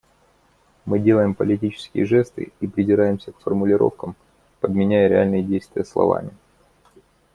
Мы делаем политические жесты и придираемся к формулировкам, подменяя реальные действия словами.